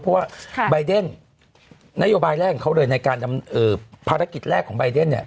เพราะว่าบายเดนนโยบายแรกเขาเลยในการนำภารกิจแรกของบายเดน